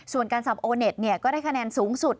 ส่วนการสับโอเน็ตก็ได้คะแนนสูงสุด